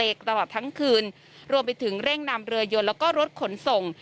ตลอดทั้งคืนรวมไปถึงเร่งนำเรือยนแล้วก็รถขนส่ง